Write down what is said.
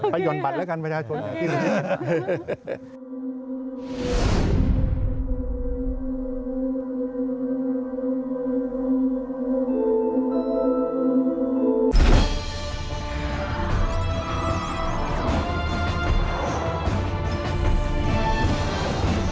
หย่อนบัตรแล้วกันประชาชน